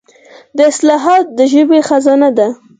دا اصطلاحات د ژبې خزانه ده.